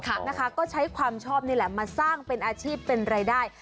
นะคะก็ใช้ความชอบนี่แหละมาสร้างเป็นอาชีพเป็นรายได้